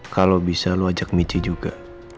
kalau bisa lo ajak michi juga